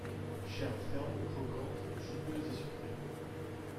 Chair ferme, croquante, juteuse et sucrée.